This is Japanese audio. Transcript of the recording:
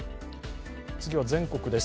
次は全国です。